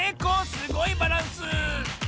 すごいバランス！